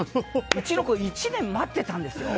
うちの子、１年待ってたんですよ。